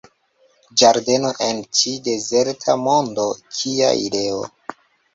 Ĝardeno en ĉi dezerta mondo, kia ideo.